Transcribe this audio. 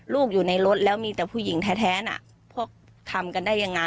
อยู่ในรถแล้วมีแต่ผู้หญิงแท้น่ะพวกทำกันได้ยังไง